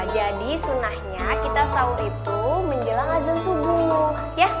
jadi sunnahnya kita sahur itu menjelang azan subuh ya